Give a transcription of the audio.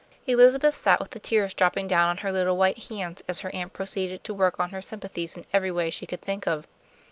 Elizabeth sat with the tears dropping down on her little white hands, as her aunt proceeded to work on her sympathies in every way she could think of.